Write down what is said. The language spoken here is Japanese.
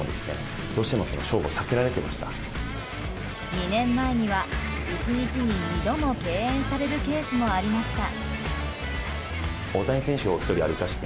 ２年前には１日に２度も敬遠されるケースもありました。